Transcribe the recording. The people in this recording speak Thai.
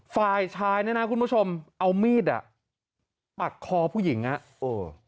ฝ่ายชายเนี่ยนะคุณผู้ชมเอามีดอ่ะปักคอผู้หญิงอ่ะโอ้